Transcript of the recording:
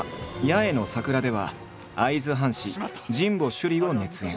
「八重の桜」では会津藩士神保修理を熱演。